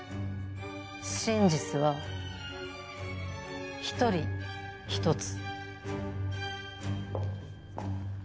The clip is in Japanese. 真実は一人１つ。